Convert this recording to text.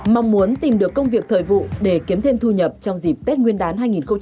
mong muốn tìm được công việc thời vụ để kiếm thêm thu nhập trong dịp tết nguyên đán hai nghìn hai mươi